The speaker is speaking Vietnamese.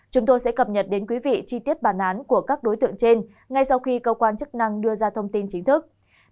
chúng tôi sẽ cập nhật đến quý vị chi tiết bản án của các đối tượng trên ngay sau khi cơ quan chức năng đưa ra thông tin chính thức